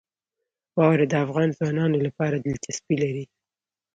واوره د افغان ځوانانو لپاره دلچسپي لري.